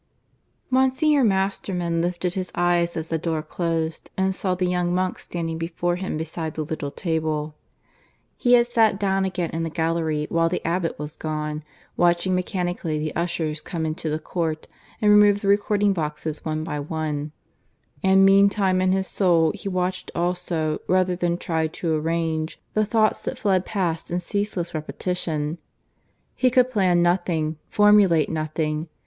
(III) Monsignor Masterman lifted his eyes as the door closed, and saw the young monk standing before him, beside the little table. He had sat down again in the gallery while the abbot was gone, watching mechanically the ushers come into the court and remove the recording boxes one by one; and meantime in his soul he watched also, rather than tried to arrange, the thoughts that fled past in ceaseless repetition. He could plan nothing, formulate nothing.